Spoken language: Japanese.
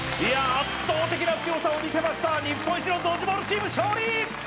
圧倒的な強さを見せました日本一のドッジボールチーム勝利